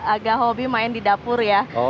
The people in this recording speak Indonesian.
agak hobi main di dapur ya